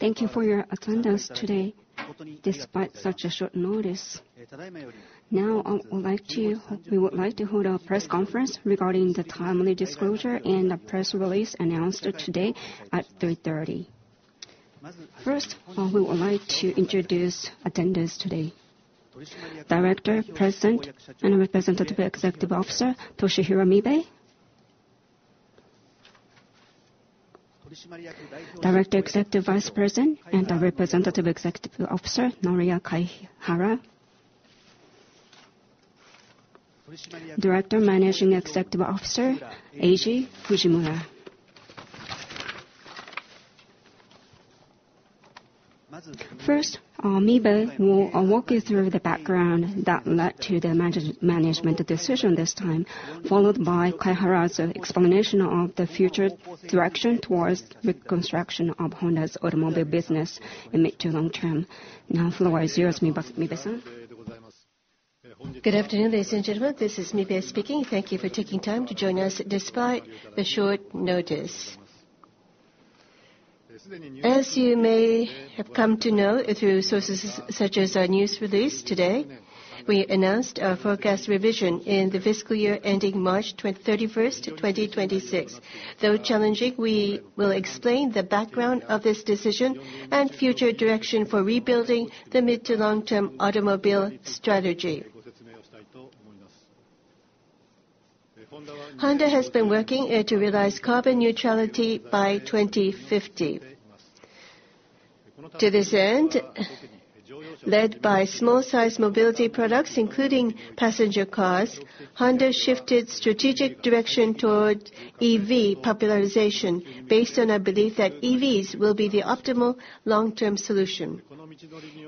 Thank you for your attendance today, despite such a short notice. Now, We would like to hold a press conference regarding the timely disclosure and the press release announced today at 3:30 P.M. First, we would like to introduce attendees today. Director, President, and Representative Executive Officer, Toshihiro Mibe. Director, Executive Vice President, and Representative Executive Officer, Noriya Kaihara. Director, Managing Executive Officer, Eiji Fujimura. First, Mibe will walk you through the background that led to the management decision this time, followed by Kaihara's explanation of the future direction towards reconstruction of Honda's automobile business in mid to long term. Now, floor is yours, Mibe-san. Good afternoon, ladies and gentlemen. This is Mibe speaking. Thank you for taking time to join us despite the short notice. As you may have come to know through sources such as our news release today, we announced our forecast revision in the fiscal year ending March 31st, 2026. Though challenging, we will explain the background of this decision and future direction for rebuilding the mid to long-term automobile strategy. Honda has been working to realize carbon neutrality by 2050. To this end, led by small-sized mobility products, including passenger cars, Honda shifted strategic direction toward EV popularization based on a belief that EVs will be the optimal long-term solution.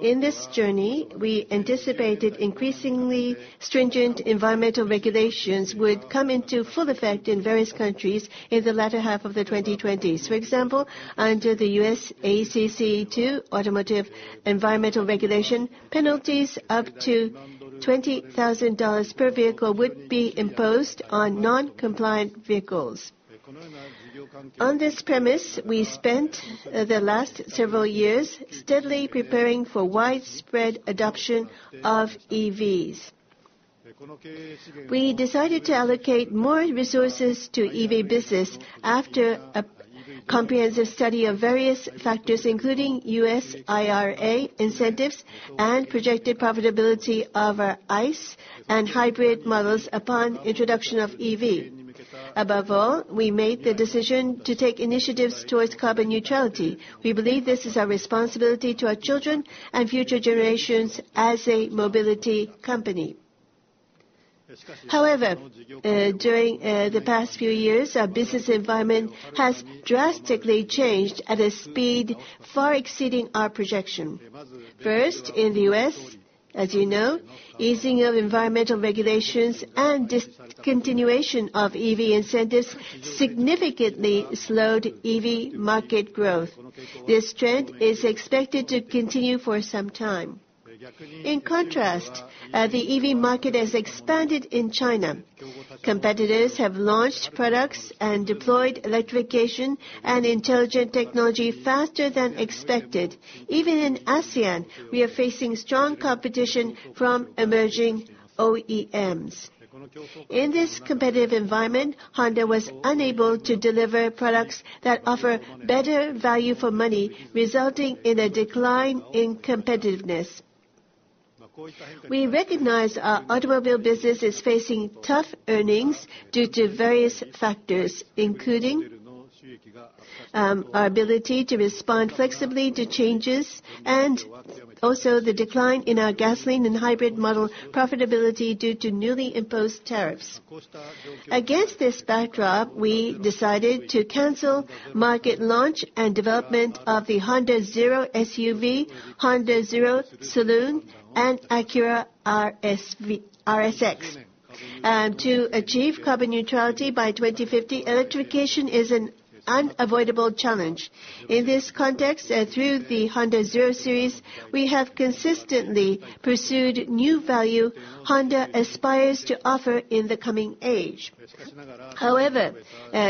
In this journey, we anticipated increasingly stringent environmental regulations would come into full effect in various countries in the latter half of the 2020s. For example, under the U.S. ACC II automotive environmental regulation, penalties up to $20,000 per vehicle would be imposed on non-compliant vehicles. On this premise, we spent the last several years steadily preparing for widespread adoption of EVs. We decided to allocate more resources to EV business after a comprehensive study of various factors, including U.S. IRA incentives and projected profitability of our ICE and hybrid models upon introduction of EV. Above all, we made the decision to take initiatives towards carbon neutrality. We believe this is our responsibility to our children and future generations as a mobility company. However, during the past few years, our business environment has drastically changed at a speed far exceeding our projection. First, in the U.S., as you know, easing of environmental regulations and discontinuation of EV incentives significantly slowed EV market growth. This trend is expected to continue for some time. In contrast, the EV market has expanded in China. Competitors have launched products and deployed electrification and intelligent technology faster than expected. Even in ASEAN, we are facing strong competition from emerging OEMs. In this competitive environment, Honda was unable to deliver products that offer better value for money, resulting in a decline in competitiveness. We recognize our automobile business is facing tough earnings due to various factors, including our ability to respond flexibly to changes and also the decline in our gasoline and hybrid model profitability due to newly imposed tariffs. Against this backdrop, we decided to cancel market launch and development of the Honda 0 SUV, Honda 0 Saloon, and Acura RSX. To achieve carbon neutrality by 2050, electrification is an unavoidable challenge. In this context, through the Honda 0 Series, we have consistently pursued new value Honda aspires to offer in the coming age. However,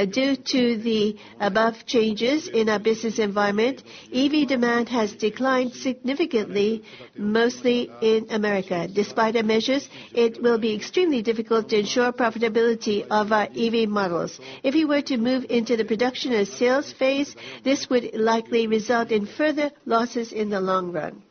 due to the above changes in our business environment, EV demand has declined significantly, mostly in America. Despite our measures, it will be extremely difficult to ensure profitability of our EV models. If we were to move into the production and sales phase, this would likely result in further losses in the long run.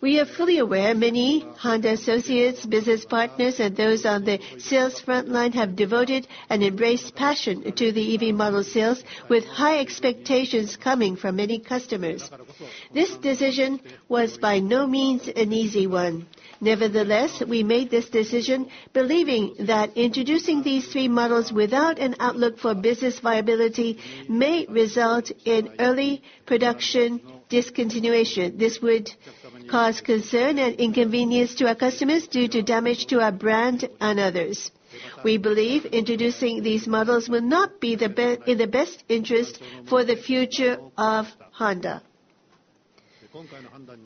We are fully aware many Honda associates, business partners, and those on the sales front line have devoted and embraced passion to the EV model sales with high expectations coming from many customers. This decision was by no means an easy one. Nevertheless, we made this decision believing that introducing these three models without an outlook for business viability may result in early production discontinuation. This would cause concern and inconvenience to our customers due to damage to our brand and others. We believe introducing these models will not be in the best interest for the future of Honda.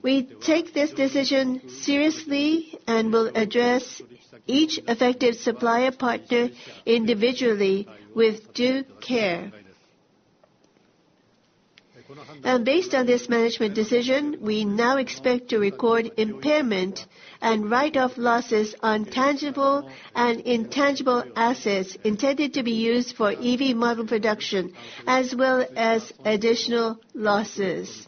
We take this decision seriously and will address each affected supplier partner individually with due care. Now, based on this management decision, we now expect to record impairment and write-off losses on tangible and intangible assets intended to be used for EV model production, as well as additional losses.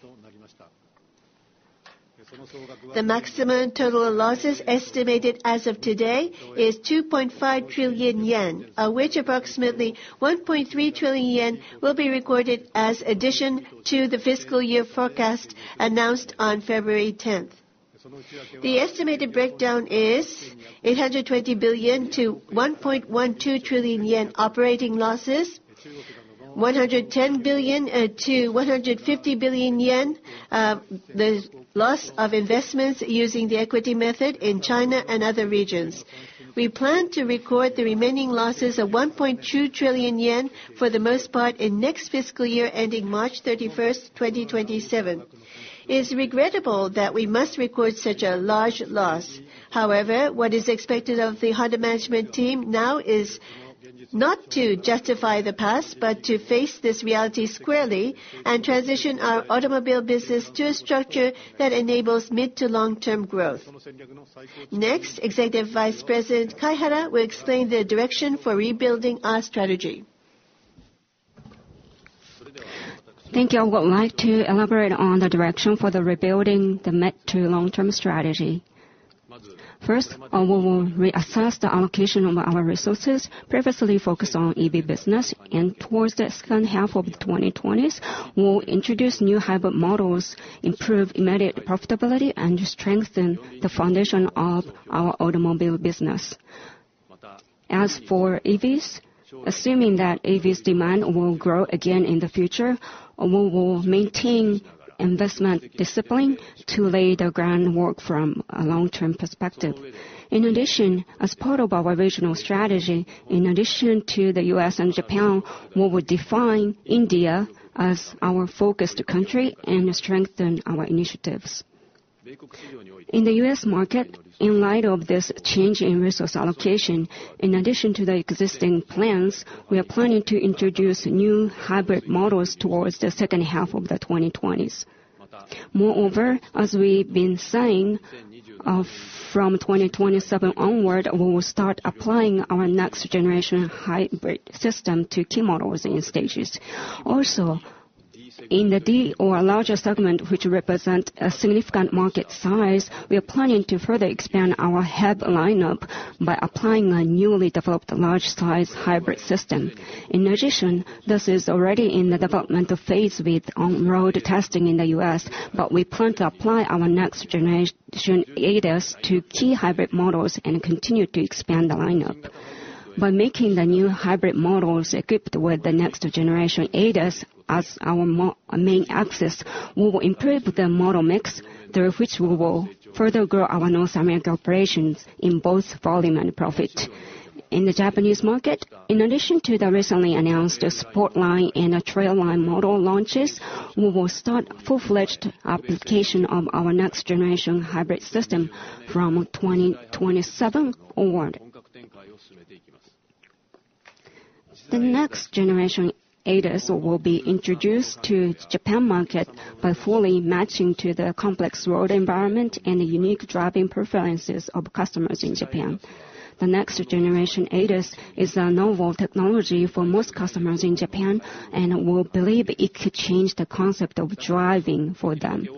The maximum total losses estimated as of today is 2.5 trillion yen, of which approximately 1.3 trillion yen will be recorded as addition to the fiscal year forecast announced on February 10. The estimated breakdown is 820 billion-1.12 trillion yen operating losses, 110 billion-150 billion yen loss of investments using the equity method in China and other regions. We plan to record the remaining losses of 1.2 trillion yen for the most part in next fiscal year ending March 31st, 2027. It's regrettable that we must record such a large loss. However, what is expected of the Honda management team now is not to justify the past, but to face this reality squarely and transition our automobile business to a structure that enables mid to long-term growth. Next, Executive Vice President Kaihara will explain the direction for rebuilding our strategy. Thank you. I would like to elaborate on the direction for rebuilding the mid- to long-term strategy. First, we will reassess the allocation of our resources, previously focused on EV business. Towards the second half of the 2020s, we'll introduce new hybrid models, improve immediate profitability, and strengthen the foundation of our automobile business. As for EVs, assuming that EVs demand will grow again in the future, we will maintain investment discipline to lay the groundwork from a long-term perspective. In addition, as part of our original strategy, in addition to the U.S. and Japan, we will define India as our focused country and strengthen our initiatives. In the U.S. market, in light of this change in resource allocation, in addition to the existing plans, we are planning to introduce new hybrid models towards the second half of the 2020s. Moreover, as we've been saying, from 2027 onward, we will start applying our next generation hybrid system to key models in stages. Also, in the D or larger segment, which represent a significant market size, we are planning to further expand our HEV lineup by applying a newly developed large-sized hybrid system. In addition, this is already in the developmental phase with on-road testing in the U.S., but we plan to apply our next generation ADAS to key hybrid models and continue to expand the lineup. By making the new hybrid models equipped with the next generation ADAS as our main axis, we will improve the model mix, through which we will further grow our North America operations in both volume and profit. In the Japanese market, in addition to the recently announced Sport Line and Trail Line model launches, we will start full-fledged application of our next generation hybrid system from 2027 onward. The next generation ADAS will be introduced to Japanese market by fully matching to the complex road environment and the unique driving preferences of customers in Japan. The next generation ADAS is a novel technology for most customers in Japan, and we believe it could change the concept of driving for them.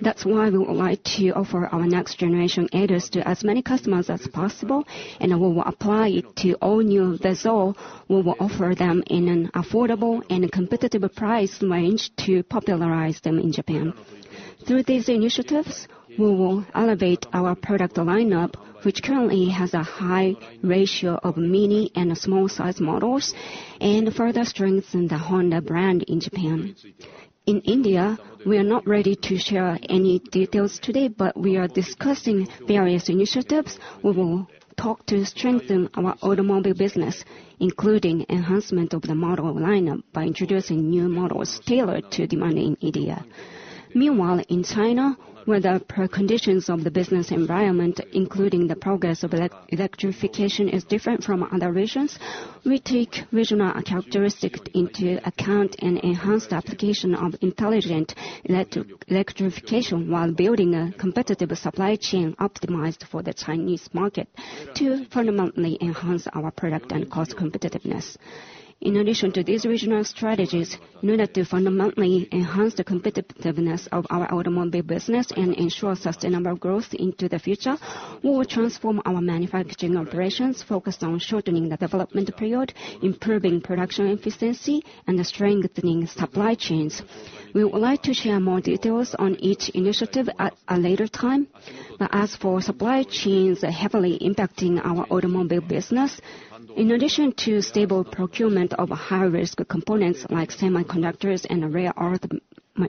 That's why we would like to offer our next generation ADAS to as many customers as possible, and we will apply it to all new Vezel. We will offer them in an affordable and competitive price range to popularize them in Japan. Through these initiatives, we will elevate our product lineup, which currently has a high ratio of mini and small-sized models, and further strengthen the Honda brand in Japan. In India, we are not ready to share any details today, but we are discussing various initiatives. We will work to strengthen our automobile business, including enhancement of the model lineup by introducing new models tailored to demand in India. Meanwhile, in China, where the preconditions of the business environment, including the progress of electrification, is different from other regions, we take regional characteristics into account and enhance the application of intelligent electrification while building a competitive supply chain optimized for the Chinese market to fundamentally enhance our product and cost competitiveness. In addition to these regional strategies, in order to fundamentally enhance the competitiveness of our automobile business and ensure sustainable growth into the future, we will transform our manufacturing operations focused on shortening the development period, improving production efficiency, and strengthening supply chains. We would like to share more details on each initiative at a later time. As for supply chains heavily impacting our automobile business, in addition to stable procurement of high-risk components like semiconductors and rare earth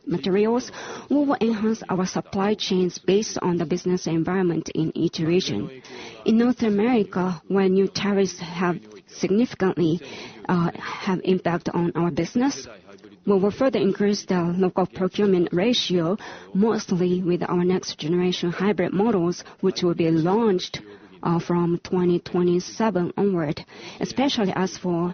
materials, we will enhance our supply chains based on the business environment in each region. In North America, where new tariffs have significantly impacted our business. We further increase the local procurement ratio, mostly with our next generation hybrid models, which will be launched from 2027 onward. Especially as for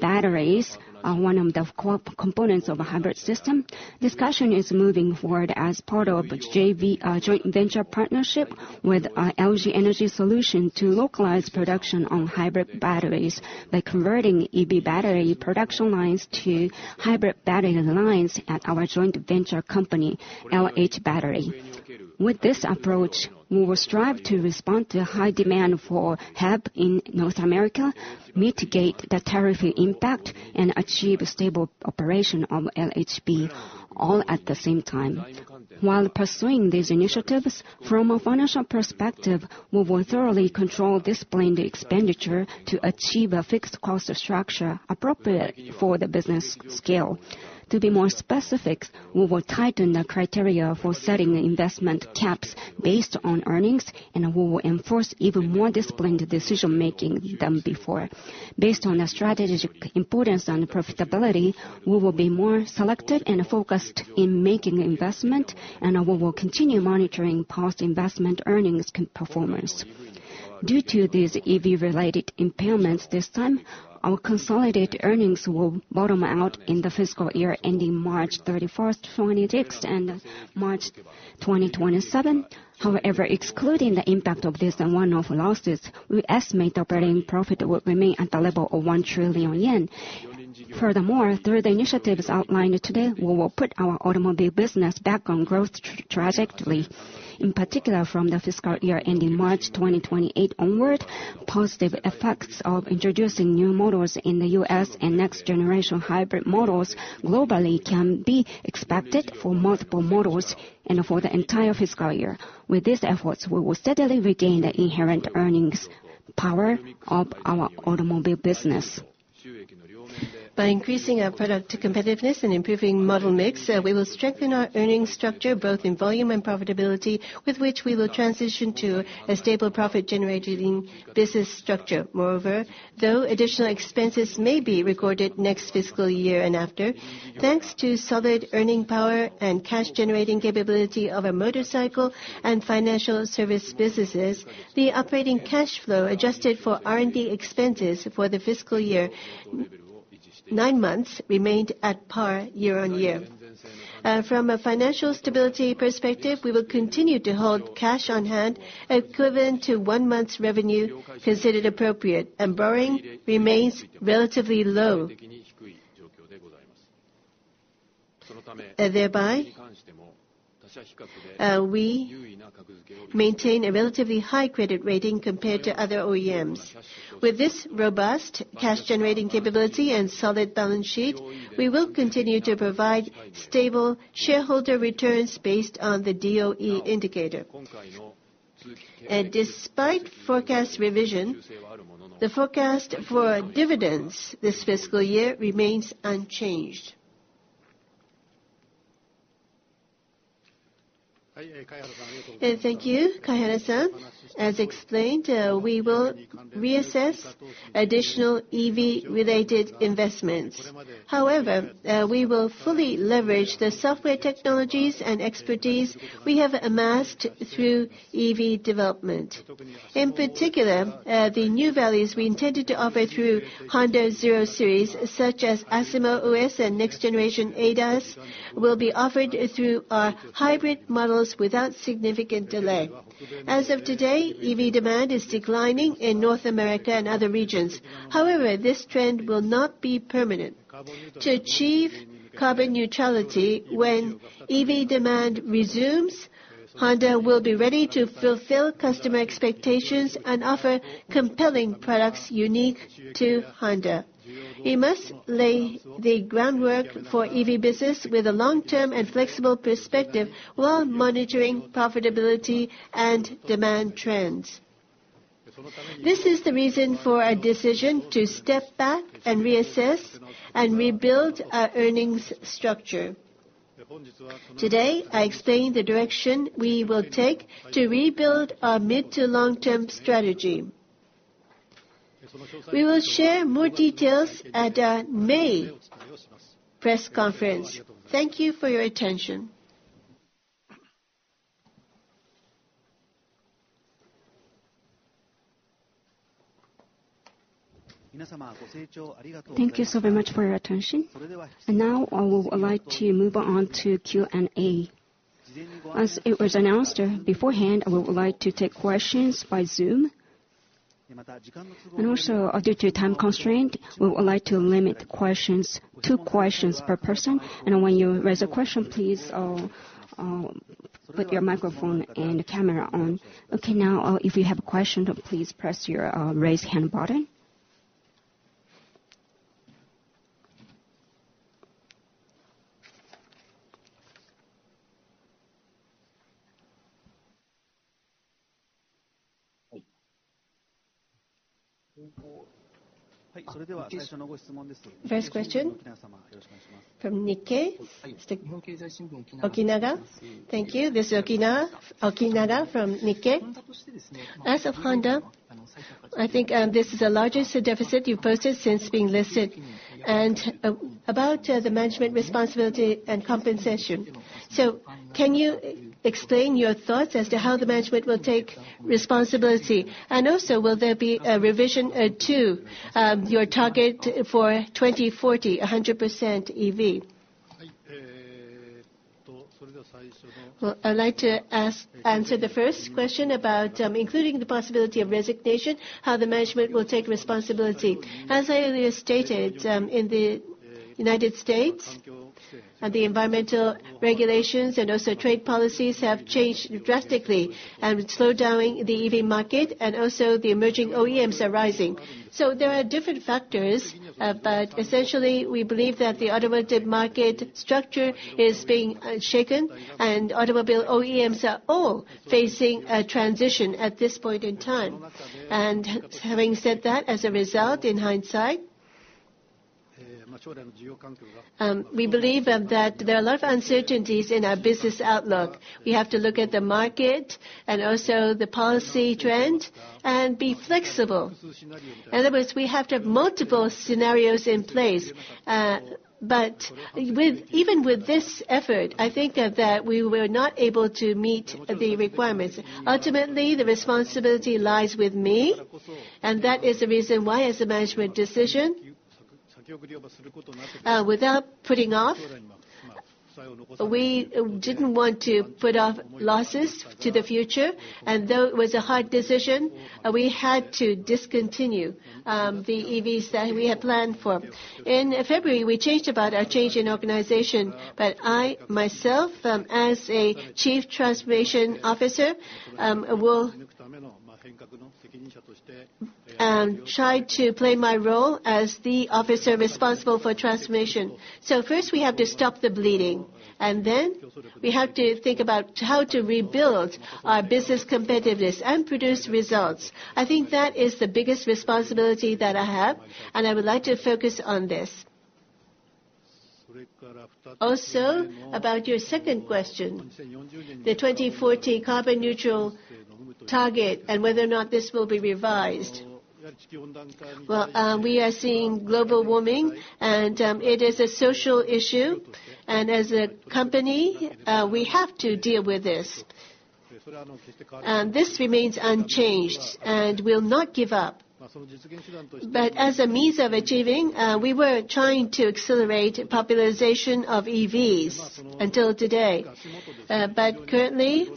batteries, one of the components of a hybrid system, discussion is moving forward as part of JV, joint venture partnership with LG Energy Solution to localize production on hybrid batteries by converting EV battery production lines to hybrid battery lines at our joint venture company, L-H Battery. With this approach, we will strive to respond to high demand for HEV in North America, mitigate the tariff impact, and achieve stable operation of LHB all at the same time. While pursuing these initiatives, from a financial perspective, we will thoroughly control disciplined expenditure to achieve a fixed cost structure appropriate for the business scale. To be more specific, we will tighten the criteria for setting investment caps based on earnings, and we will enforce even more disciplined decision-making than before. Based on the strategic importance and profitability, we will be more selective and focused in making investment, and we will continue monitoring post-investment earnings performance. Due to these EV-related impairments this time, our consolidated earnings will bottom out in the fiscal year ending March 31st, 2026 and March 2027. However, excluding the impact of these one-off losses, we estimate operating profit will remain at the level of 1 trillion yen. Furthermore, through the initiatives outlined today, we will put our automobile business back on growth trajectory. In particular, from the fiscal year ending March 2028 onward, positive effects of introducing new models in the U.S. and next generation hybrid models globally can be expected for multiple models and for the entire fiscal year. With these efforts, we will steadily regain the inherent earnings power of our automobile business. By increasing our product competitiveness and improving model mix, we will strengthen our earnings structure, both in volume and profitability, with which we will transition to a stable profit-generating business structure. Moreover, though additional expenses may be recorded next fiscal year and after, thanks to solid earning power and cash generating capability of our motorcycle and financial service businesses, the operating cash flow adjusted for R&D expenses for the fiscal year nine months remained at par year-on-year. From a financial stability perspective, we will continue to hold cash on hand equivalent to one month's revenue considered appropriate, and borrowing remains relatively low. Thereby, we maintain a relatively high credit rating compared to other OEMs. With this robust cash-generating capability and solid balance sheet, we will continue to provide stable shareholder returns based on the DOE indicator. Despite forecast revision, the forecast for dividends this fiscal year remains unchanged. Thank you, Kaihara-san. As explained, we will reassess additional EV-related investments. However, we will fully leverage the software technologies and expertise we have amassed through EV development. In particular, the new values we intended to offer through Honda 0 Series, such as ASIMO OS and next-generation ADAS, will be offered through our hybrid models without significant delay. As of today, EV demand is declining in North America and other regions. However, this trend will not be permanent. To achieve carbon neutrality when EV demand resumes, Honda will be ready to fulfill customer expectations and offer compelling products unique to Honda. We must lay the groundwork for EV business with a long-term and flexible perspective while monitoring profitability and demand trends. This is the reason for our decision to step back and reassess and rebuild our earnings structure. Today, I explained the direction we will take to rebuild our mid to long-term strategy. We will share more details at our May press conference. Thank you for your attention. Thank you so very much for your attention. Now I would like to move on to Q&A. As it was announced beforehand, I would like to take questions by Zoom. Also, due to time constraint, we would like to limit questions, two questions per person. When you raise a question, please put your microphone and camera on. Okay. Now, if you have a question, please press your raise hand button. First question from Nikkei. Okinaga. Thank you. This is Okinaga from Nikkei. As for Honda, I think this is the largest deficit you've posted since being listed. About the management responsibility and compensation, can you explain your thoughts as to how the management will take responsibility? Also, will there be a revision to your target for 2040, 100% EV? Well, I'd like to answer the first question about, including the possibility of resignation, how the management will take responsibility. As I earlier stated, in the United States, the environmental regulations and also trade policies have changed drastically and slowed down the EV market, and also the emerging OEMs are rising. There are different factors, but essentially we believe that the automotive market structure is being shaken, and automobile OEMs are all facing a transition at this point in time. Having said that, as a result, in hindsight, we believe that there are a lot of uncertainties in our business outlook. We have to look at the market and also the policy trend and be flexible. In other words, we have to have multiple scenarios in place. But even with this effort, I think that we were not able to meet the requirements. Ultimately, the responsibility lies with me, and that is the reason why as a management decision, without putting off, we didn't want to put off losses to the future. Though it was a hard decision, we had to discontinue the EVs that we had planned for. In February, we announced our change in organization, but I myself, as a Chief Transformation Officer, will try to play my role as the officer responsible for transformation. First, we have to stop the bleeding, and then we have to think about how to rebuild our business competitiveness and produce results. I think that is the biggest responsibility that I have, and I would like to focus on this. Also, about your second question, the 2040 carbon neutral target and whether or not this will be revised. Well, we are seeing global warming, and it is a social issue. As a company, we have to deal with this. This remains unchanged and we'll not give up. But as a means of achieving, we were trying to accelerate popularization of EVs until today. But currently,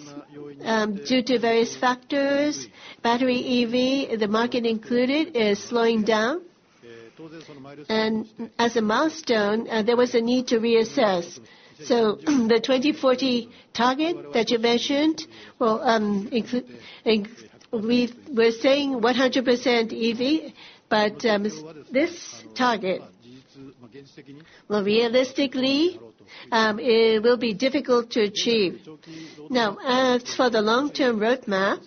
due to various factors, battery EV, the market included, is slowing down. As a milestone, there was a need to reassess. The 2040 target that you mentioned, well, We were saying 100% EV, but this target, well, realistically, it will be difficult to achieve. Now, as for the long-term roadmap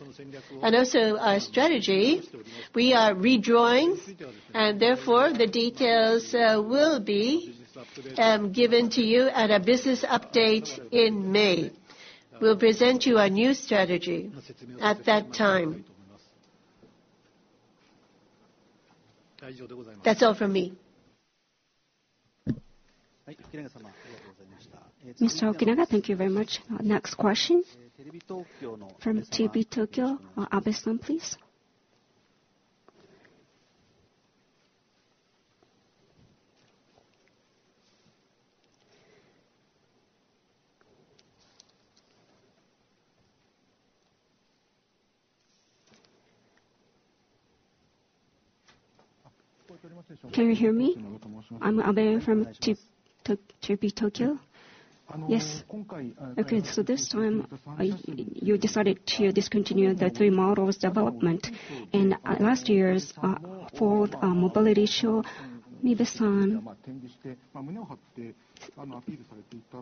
and also our strategy, we are redrawing, and therefore, the details will be given to you at a business update in May. We'll present you our new strategy at that time. That's all from me. Mr. Okinaga, thank you very much. Our next question from TV Tokyo, Abe-san, please. Can you hear me? I'm Abe from TV Tokyo. Yes. Okay, this time you decided to discontinue the three models' development. In last year's Japan Mobility Show, Mibe-san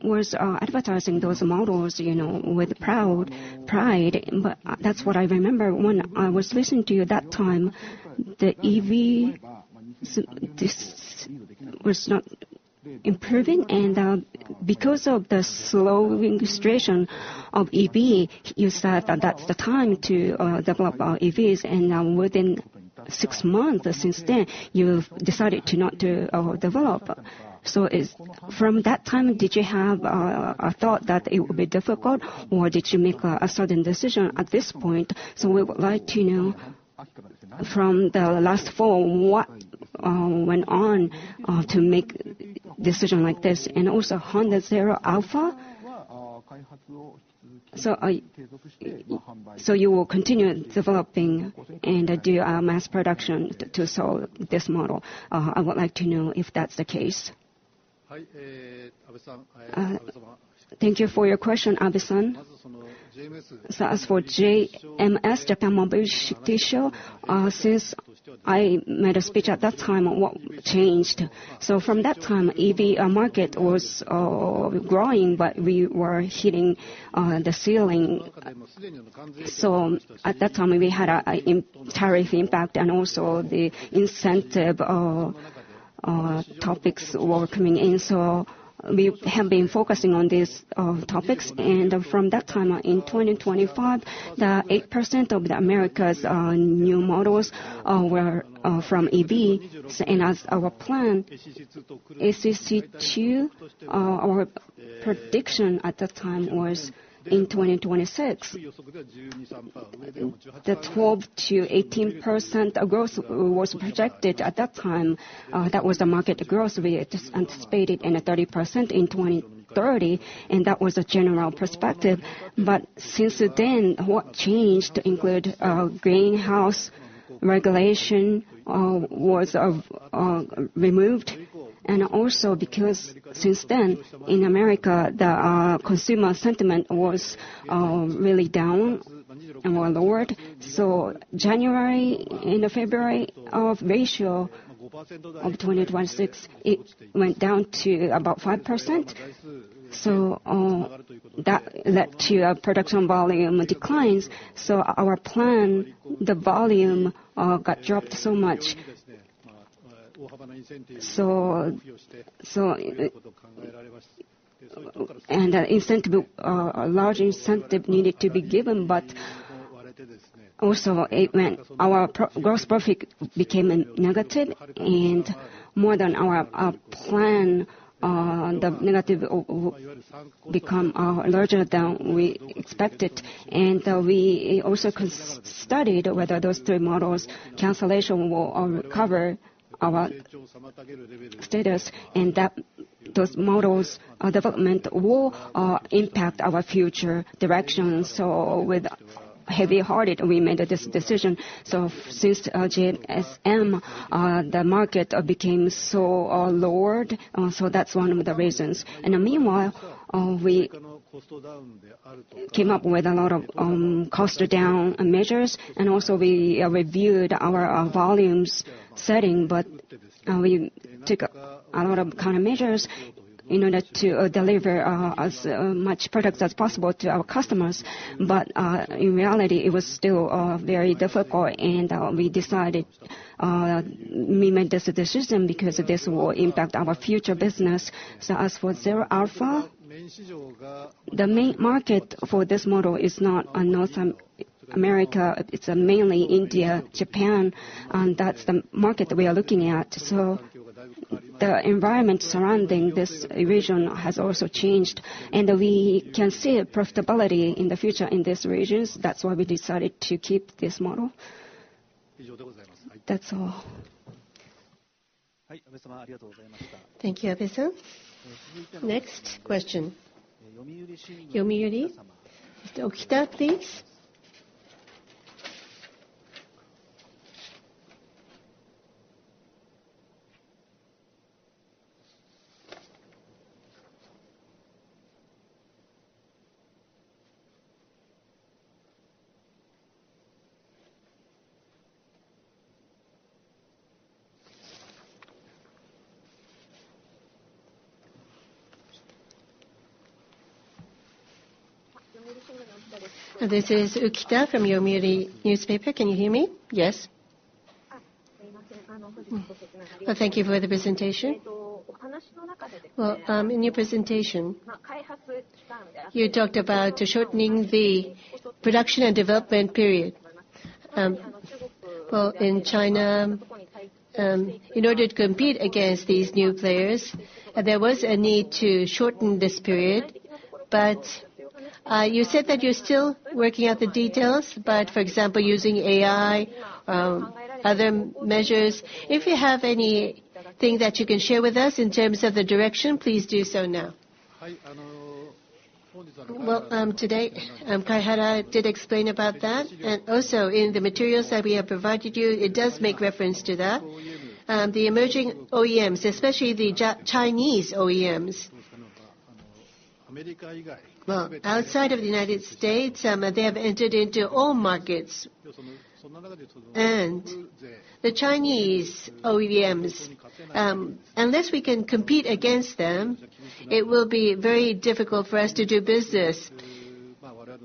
was advertising those models, you know, with pride. That's what I remember when I was listening to you that time. The EV was not improving, and because of the slowing registration of EV, you said that that's the time to develop our EVs. Within six months since then, you've decided to not develop. From that time, did you have a thought that it would be difficult, or did you make a certain decision at this point? We would like to know from the last fall what went on to make decision like this. Also Honda 0 Alpha. You will continue developing and do mass production to sell this model. I would like to know if that's the case. Thank you for your question, Abe-san. As for JMS, Japan Mobility Show, since I made a speech at that time, what changed. From that time, EV market was growing, but we were hitting the ceiling. At that time, we had a tariff impact and also the incentive. Topics were coming in, so we have been focusing on these topics. From that time on, in 2025, 8% of America's new models were from EV. As our plan, ACC II, our prediction at that time was in 2026. 12%-18% growth was projected at that time, that was the market growth. We anticipated 30% in 2030, and that was a general perspective. Since then, what changed include greenhouse regulation was removed. Also because since then, in America, the consumer sentiment was really down and were lowered. January into February of ratio of 2026, it went down to about 5%. That led to a production volume declines. Our plan, the volume, got dropped so much. An incentive, a large incentive needed to be given, but also gross profit became negative and more than our plan, the negative become larger than we expected. We also studied whether those three models cancellation will recover our status, and that those models development will impact our future direction. With heavy hearted we made this decision. Since GSM, the market became so lowered, that's one of the reasons. Meanwhile, we came up with a lot of cost down measures, and also we reviewed our volumes setting. We took a lot of counter measures in order to deliver as much products as possible to our customers. In reality, it was still very difficult, and we decided we made this decision because this will impact our future business. As for 0 Alpha, the main market for this model is not North America. It's mainly India, Japan, and that's the market we are looking at. The environment surrounding this region has also changed, and we can see profitability in the future in these regions. That's why we decided to keep this model. That's all. Thank you, Abe-san. Next question. Yomiuri. Mr. Ukita, please. This is Ukita from Yomiuri Newspaper. Can you hear me? Yes. Thank you for the presentation. Well, in your presentation, you talked about shortening the production and development period. Well, in China, in order to compete against these new players, there was a need to shorten this period. You said that you're still working out the details, but for example, using AI, other measures. If you have anything that you can share with us in terms of the direction, please do so now. Well, today, Kaihara did explain about that. Also in the materials that we have provided you, it does make reference to that. The emerging OEMs, especially the Chinese OEMs. Well, outside of the United States, they have entered into all markets. The Chinese OEMs, unless we can compete against them, it will be very difficult for us to do business.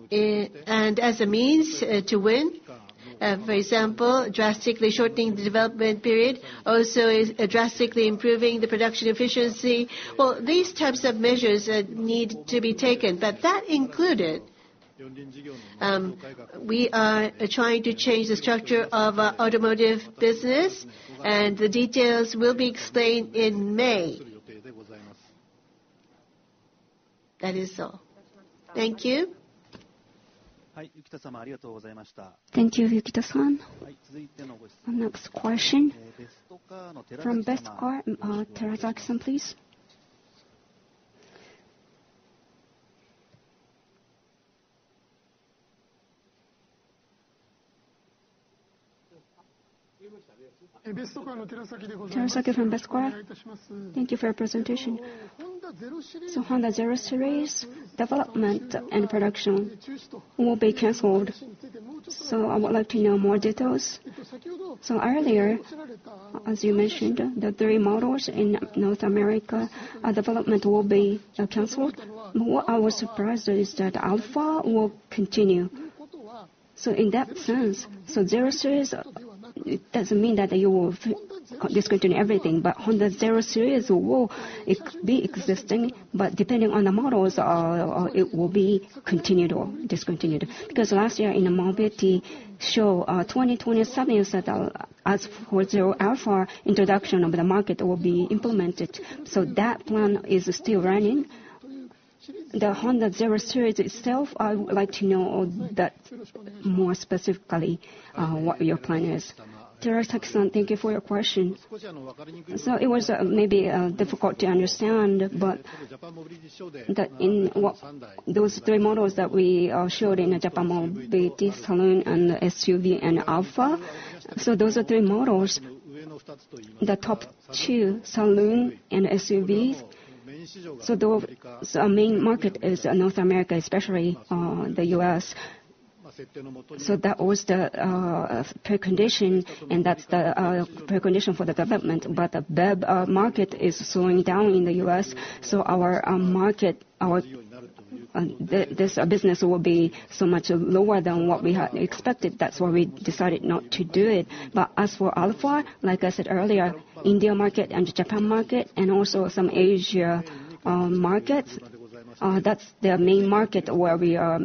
As a means to win, for example, drastically shortening the development period also is drastically improving the production efficiency. Well, these types of measures need to be taken. That included, we are trying to change the structure of our automotive business and the details will be explained in May. That is all. Thank you. Thank you, Ukita-san. Next question from Best Car. Terasaki-san, please. Terasaki from Best Car. Thank you for your presentation. Honda 0 Series development and production will be canceled, so I would like to know more details. Earlier, as you mentioned, the three models in North America development will be canceled. What I was surprised is that 0 Alpha will continue. In that sense, so 0 Series, it doesn't mean that you will discontinue everything, but Honda 0 Series will it be existing, but depending on the models, it will be continued or discontinued. Because last year in the Japan Mobility Show 2027, you said that as for 0 Alpha, introduction of the market will be implemented. That plan is still running. The Honda 0 Series itself, I would like to know that more specifically what your plan is. Terasaki-san, thank you for your question. It was maybe difficult to understand. Those three models that we showed in the Japan Mobility Show, Saloon and SUV and Alpha, those are three models. The top two, Saloon and SUV. Our main market is North America, especially the U.S. That was the precondition, and that's the precondition for the development. But the BEV market is slowing down in the U.S., so our market, our this business will be so much lower than what we had expected. That's why we decided not to do it. But as for Alpha, like I said earlier, India market and Japan market and also some Asia markets, that's the main market where we are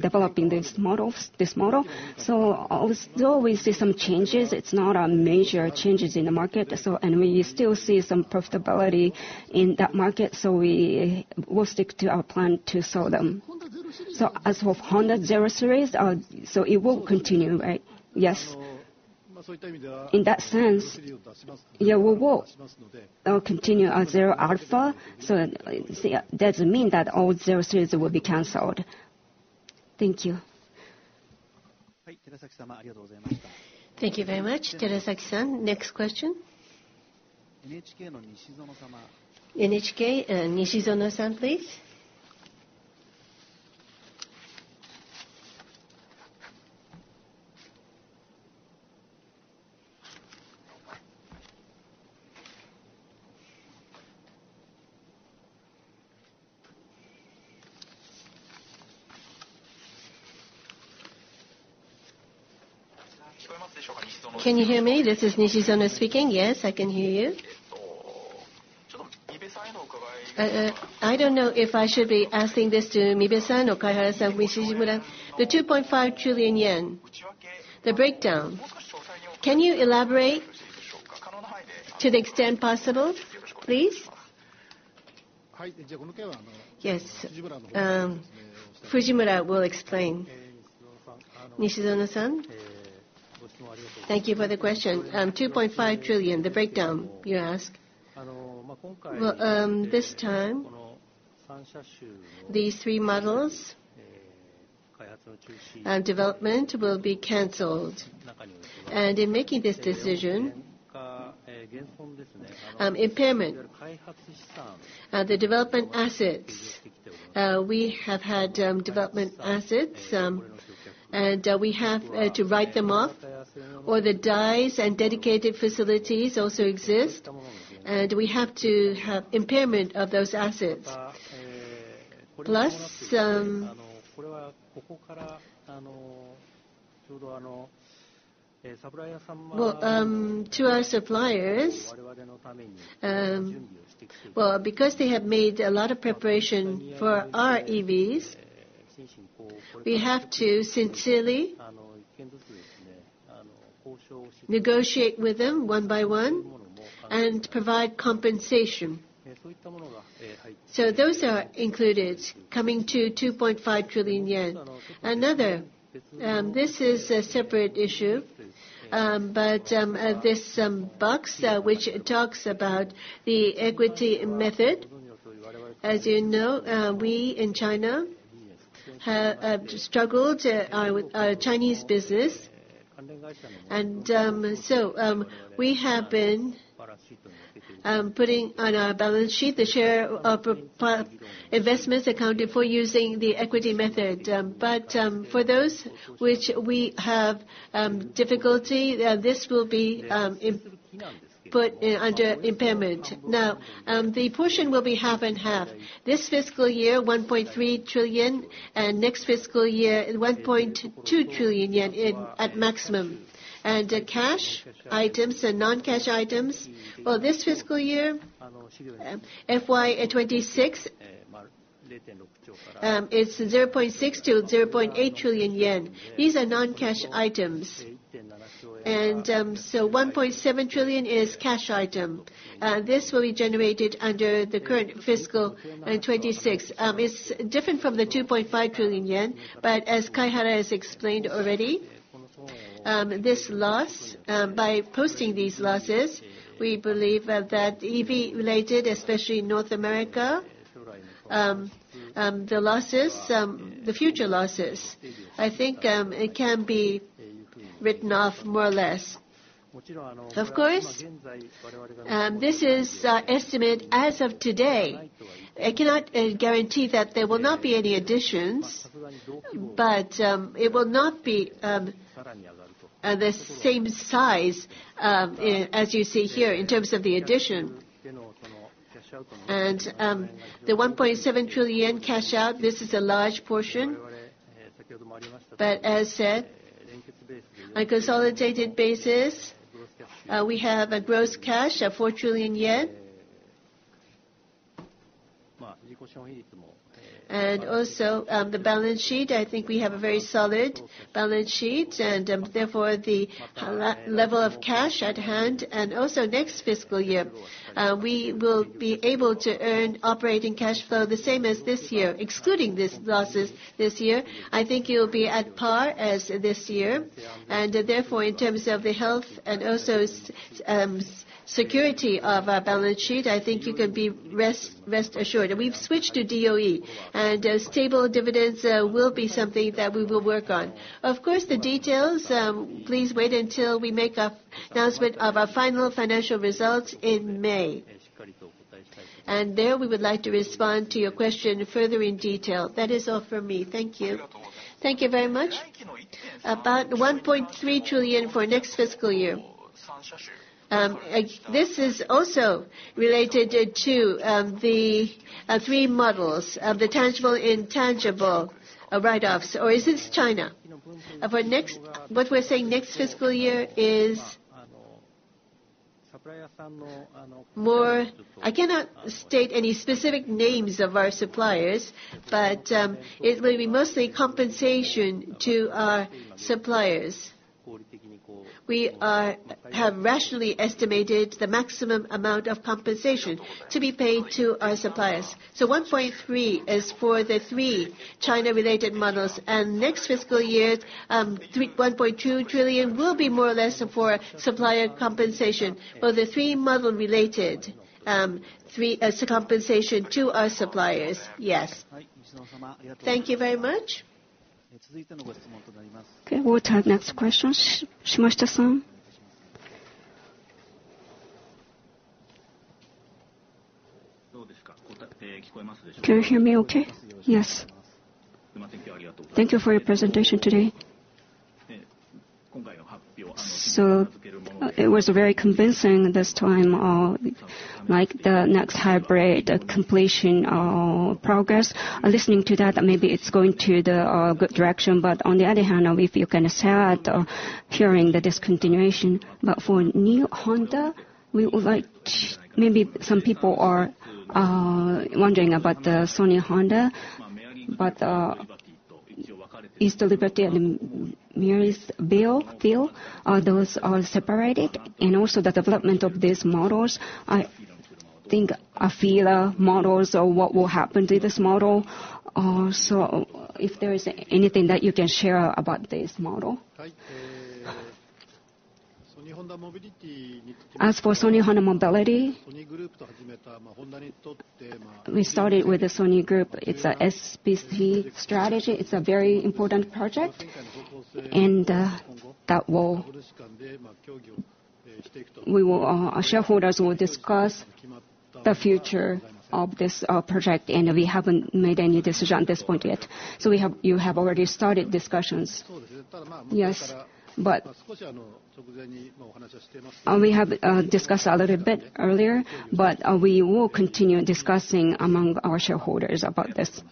developing these models, this model. Although we see some changes, it's not major changes in the market. We still see some profitability in that market, so we will stick to our plan to sell them. As for Honda 0 Series, it won't continue, right? Yes. In that sense, yeah, we will continue our 0 Alpha, so it doesn't mean that all 0 Series will be canceled. Thank you. Thank you very much, Terasaki-san. Next question. NHK, Nishizono-san, please. Can you hear me? This is Nishizono speaking. Yes, I can hear you. I don't know if I should be asking this to Mibe-san or Kaihara-san or Fujimura. The 2.5 trillion yen, the breakdown, can you elaborate to the extent possible, please? Yes. Fujimura will explain. Nishizono-san, thank you for the question. 2.5 trillion, the breakdown you ask. Well, this time, these three models and development will be canceled. In making this decision, impairment of the development assets we have had and we have to write them off or the dies and dedicated facilities also exist, and we have to have impairment of those assets. Plus, well, to our suppliers, well, because they have made a lot of preparation for our EVs, we have to sincerely negotiate with them one by one and provide compensation. Those are included coming to 2.5 trillion yen. Another, this is a separate issue, but this box which talks about the equity method. As you know, we in China have struggled with our Chinese business. We have been putting on our balance sheet the share of investments accounted for using the equity method. But for those which we have difficulty, this will be impaired under impairment. Now the portion will be half and half. This fiscal year, 1.3 trillion, and next fiscal year, 1.2 trillion yen at maximum. Cash items and non-cash items, this fiscal year FY 2026, it's 0.6-0.8 trillion yen. These are non-cash items. So 1.7 trillion is cash item. This will be generated under the current fiscal 2026. It's different from the 2.5 trillion yen. As Kaihara has explained already, by posting these losses, we believe that EV related, especially North America, the losses, the future losses, I think, it can be written off more or less. Of course, this is our estimate as of today. I cannot guarantee that there will not be any additions, but it will not be the same size as you see here in terms of the addition. The 1.7 trillion cash out, this is a large portion. As said, on a consolidated basis, we have a gross cash of 4 trillion yen. The balance sheet, I think we have a very solid balance sheet and, therefore the level of cash at hand and also next fiscal year, we will be able to earn operating cash flow the same as this year, excluding these losses this year. I think it will be at par as this year. Therefore, in terms of the health and also security of our balance sheet, I think you can be rest assured. We've switched to DOE, and stable dividends will be something that we will work on. Of course, the details, please wait until we make an announcement of our final financial results in May. There, we would like to respond to your question further in detail. That is all for me. Thank you. Thank you very much. About 1.3 trillion for next fiscal year. This is also related to the three models of the tangible, intangible write-offs or is this China? What we're saying next fiscal year is more. I cannot state any specific names of our suppliers, but it will be mostly compensation to our suppliers. We have rationally estimated the maximum amount of compensation to be paid to our suppliers. So 1.3 trillion is for the three China-related models. Next fiscal year, 1.2 trillion will be more or less for supplier compensation for the three model-related as a compensation to our suppliers. Yes. Thank you very much. Okay. We'll take next question. Shimashita-san. Can you hear me okay? Yes. Thank you for your presentation today. It was very convincing this time, like the next hybrid competition progress. Listening to that, maybe it's going in the good direction. On the other hand, we feel kind of sad hearing the discontinuation. For new Honda, we would like. Maybe some people are wondering about the Sony Honda. Is the Liberty and the AFEELA bill feel are those separated? Also the development of these models. I think, I feel, models or what will happen to this model. If there is anything that you can share about this model. As for Sony Honda Mobility, we started with the Sony Group. It's a SDV strategy. It's a very important project. We will, our shareholders will discuss the future of this project, and we haven't made any decision at this point yet. You have already started discussions. Yes. We have discussed a little bit earlier, but we will continue discussing among our shareholders about this.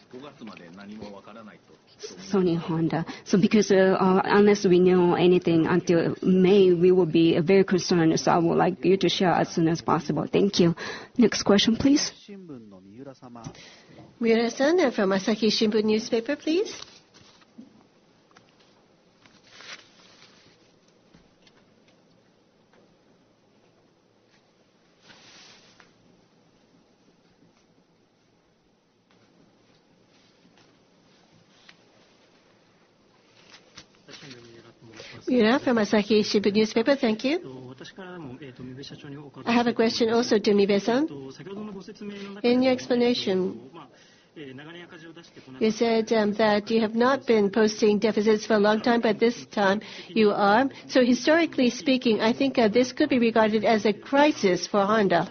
Sony Honda. Because unless we know anything until May, we will be very concerned. I would like you to share as soon as possible. Thank you. Next question, please. Miura-san from The Asahi Shimbun, please. Miura from The Asahi Shimbun. Thank you. I have a question also to Mibe-san. In your explanation, you said that you have not been posting deficits for a long time, but this time you are. Historically speaking, I think this could be regarded as a crisis for Honda.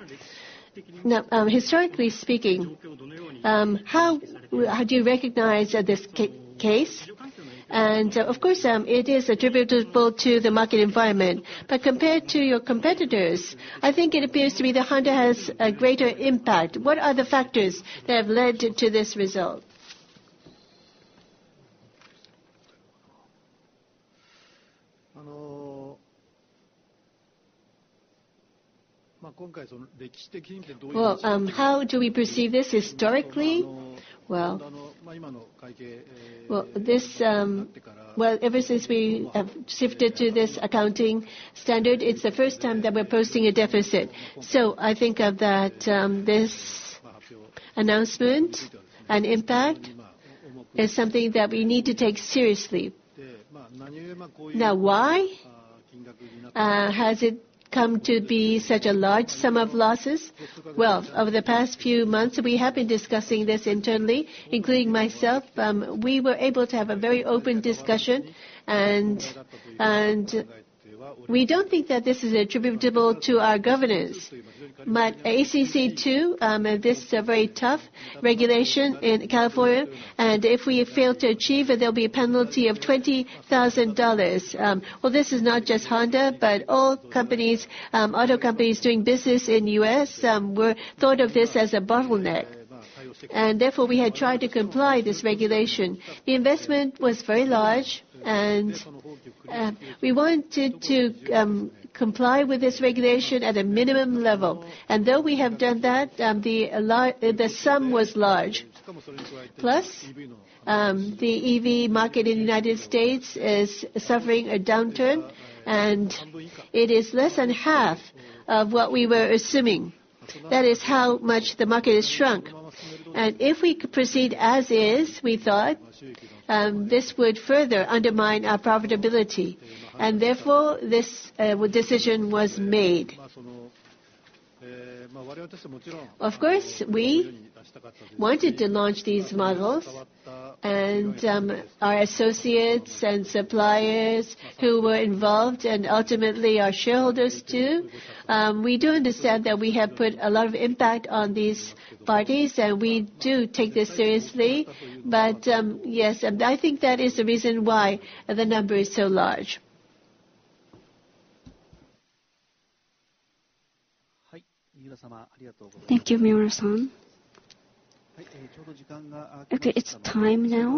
Now, historically speaking, how do you recognize this case? Of course, it is attributable to the market environment. Compared to your competitors, I think it appears to me that Honda has a greater impact. What are the factors that have led to this result? Well, how do we perceive this historically? Well, ever since we have shifted to this accounting standard, it's the first time that we're posting a deficit. I think that this announcement and impact is something that we need to take seriously. Now, why has it come to be such a large sum of losses? Well, over the past few months, we have been discussing this internally, including myself. We were able to have a very open discussion and we don't think that this is attributable to our governance. ACC II, this is a very tough regulation in California, and if we fail to achieve it, there'll be a penalty of $20,000. Well, this is not just Honda, but all companies, auto companies doing business in U.S., we thought of this as a bottleneck. Therefore, we had tried to comply this regulation. The investment was very large and we wanted to comply with this regulation at a minimum level. Though we have done that, the sum was large. Plus, the EV market in the United States is suffering a downturn, and it is less than half of what we were assuming. That is how much the market has shrunk. If we could proceed as is, we thought, this would further undermine our profitability. Therefore, this decision was made. Of course, we wanted to launch these models and, our associates and suppliers who were involved and ultimately our shareholders too, we do understand that we have put a lot of impact on these parties, and we do take this seriously. Yes, I think that is the reason why the number is so large. Thank you, Miura-san. Okay, it's time now.